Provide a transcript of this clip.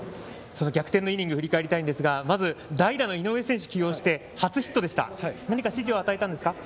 逆転のイニング振り返りたいんですが代打の井上起用して、初ヒットでした何か指示を与えたんですか？